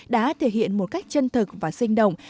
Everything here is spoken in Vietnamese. đã thể hiện một cách chân thực và sinh động